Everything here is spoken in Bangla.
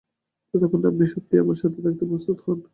যতক্ষণ না আপনি সত্যিই আমার সাথে থাকতে প্রস্তুত হন।